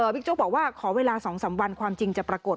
โจ๊กบอกว่าขอเวลา๒๓วันความจริงจะปรากฏ